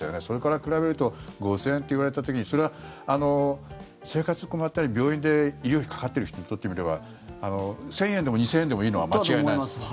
それから比べると５０００円と言われた時にそれは生活に困ったり病院で医療費かかってる人にとってみれば１０００円でも２０００円でもいいのは間違いないです。